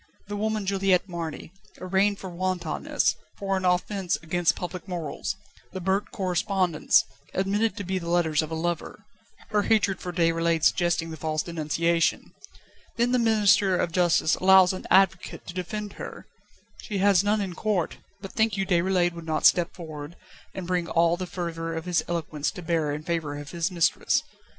The woman Juliette Marny, arraigned for wantonness, for an offence against public morals; the burnt correspondence, admitted to be the letters of a lover her hatred for Déroulède suggesting the false denunciation. Then the Minister of Justice allows an advocate to defend her. She has none in court; but think you Déroulède would not step forward, and bring all the fervour of his eloquence to bear in favour of his mistress?